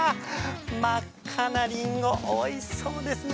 真っ赤なりんごおいしそうですね。